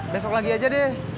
besok lagi aja deh